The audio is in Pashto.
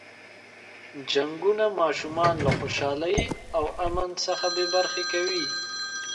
جنګونه ماشومان له خوشحالۍ او امن څخه بې برخې کوي.